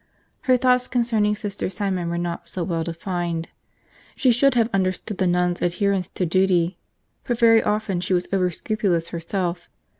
Her thoughts concerning Sister Simon were not so well defined. She should have understood the nun's adherence to duty, for very often she was overscrupulous herself.